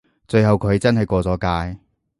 最後佢真係過咗界